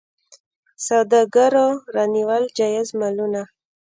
سوداګرو رانیول جایز مالونه.